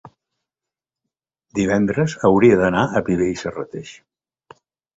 divendres hauria d'anar a Viver i Serrateix.